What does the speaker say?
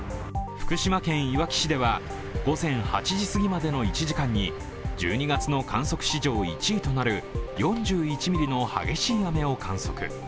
福島県いわき市では午前８時すぎまでの１時間に１２月の観測史上１位となる４１ミリの激しい雨を観測。